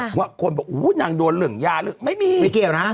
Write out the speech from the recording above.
ว่าคนบอกอู้นางโดนเรื่องยาหรือไม่มีไม่เกี่ยวนะ